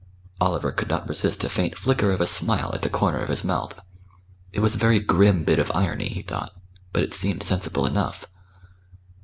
Oliver could not resist a faint flicker of a smile at the corner of his mouth. It was a very grim bit of irony, he thought, but it seemed sensible enough.